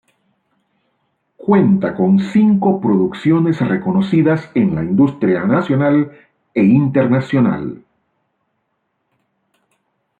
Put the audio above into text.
Cuenta con cinco producciones reconocidas en la industria nacional e internacional.